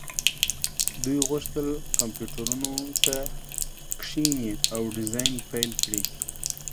دوی غوښتل کمپیوټرونو ته کښیني او ډیزاین پیل کړي